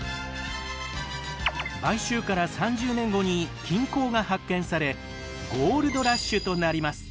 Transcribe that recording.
買収から３０年後に金鉱が発見されゴールドラッシュとなります。